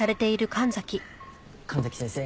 神崎先生！？